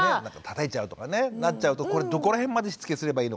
たたいちゃうとかねなっちゃうとこれどこら辺までしつけすればいいのかとかね。